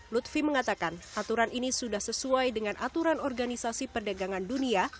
lutfi mengatakan aturan ini sudah sesuai dengan aturan organisasi perdagangan dunia